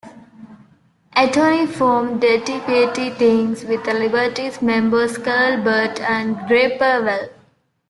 Anthony formed Dirty Pretty Things with Libertines members Carl Barat and Gary Powell.